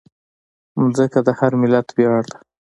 مځکه د هر ملت ویاړ ده.